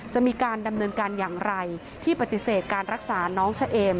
จะมีการดำเนินการอย่างไรที่ปฏิเสธการรักษาน้องเฉเอม